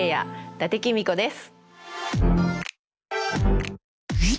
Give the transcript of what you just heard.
伊達公子です。